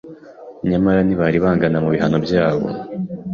Nyamara ntibari bangana mu bihano byabo